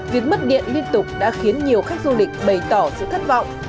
việc mất điện liên tục đã khiến nhiều khách du lịch bày tỏ sự thất vọng